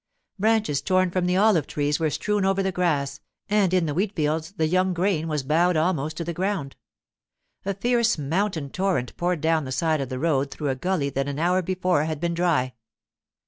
Branches torn from the olive trees were strewn over the grass, and in the wheat fields the young grain was bowed almost to the ground. A fierce mountain torrent poured down the side of the road through a gully that an hour before had been dry.